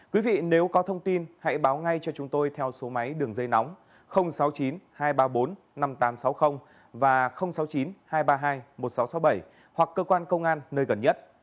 quý vị nếu có thông tin hãy báo ngay cho chúng tôi theo số máy đường dây nóng sáu mươi chín hai trăm ba mươi bốn năm nghìn tám trăm sáu mươi và sáu mươi chín hai trăm ba mươi hai một nghìn sáu trăm sáu mươi bảy hoặc cơ quan công an nơi gần nhất